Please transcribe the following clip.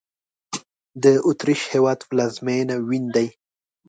د اوترېش هېواد پلازمېنه وین دی